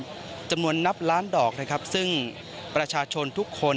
เป็นจำนวนนับล้านดอกซึ่งประชาชนทุกคน